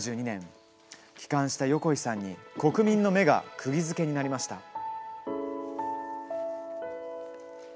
１９７２年、帰還した横井さんに国民の目がくぎづけになりました。